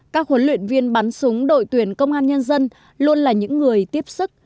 các huấn luyện viên bắn súng đội tuyển công an nhân dân luôn là những người tiếp sức